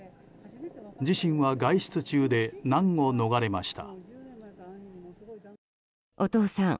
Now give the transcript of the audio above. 自身は外出中で難を逃れました。